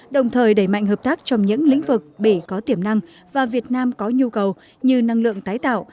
đồng thời đẩy mạnh hợp tác trong những lĩnh vực bỉ có tiềm năng và việt nam có nhu cầu như năng lượng tái tạo